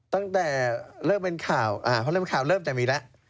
ตั้งแต่เริ่มเป็นข่าวเริ่มแต่มีแล้ว